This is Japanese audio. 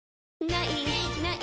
「ない！ない！